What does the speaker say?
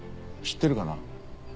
知ってるかな？